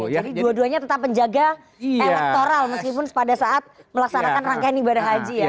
jadi dua duanya tentang penjaga elektoral meskipun pada saat melaksanakan rangkaian ibadah haji ya